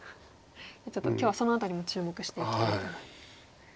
じゃあちょっと今日はその辺りも注目していきたいと。